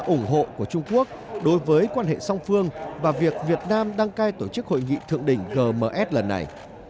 ủng hộ của trung quốc đối với quan hệ song phương và việc việt nam đăng cai tổ chức hội nghị thượng đỉnh gms lần này